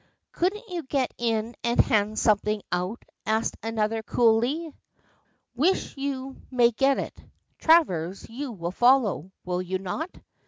"Couldn't you get in and hand something out?" asked another, coolly. "Wish you may get it. Travers, you will follow, will you not?"